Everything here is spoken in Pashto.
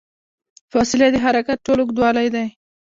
فاصلې د حرکت ټول اوږدوالی دی.